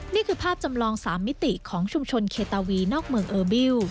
นี่คือภาพจำลอง๓มิติของชุมชนเคตาวีนอกเมืองเออร์บิล